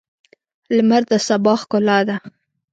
لمر د سبا ښکلا ده.